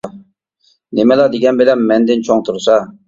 نېمىلا دېگەن بىلەن مەندىن چوڭ تۇرسا.